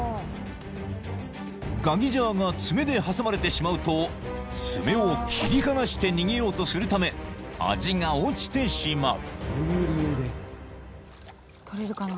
［ガギジャーが爪で挟まれてしまうと爪を切り離して逃げようとするため味が落ちてしまう］